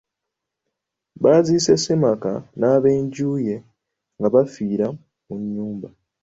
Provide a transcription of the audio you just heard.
Basanze ssemaka n'ab'enju ye nga baafiira mu nnyumba.